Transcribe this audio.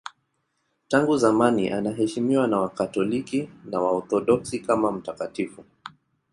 Tangu zamani anaheshimiwa na Wakatoliki na Waorthodoksi kama mtakatifu.